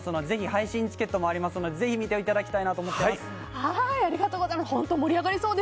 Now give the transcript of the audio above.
配信チケットもありますのでぜひ見ていただきたいなとありがとうございます。